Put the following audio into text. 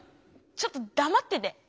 ちょっとだまってて。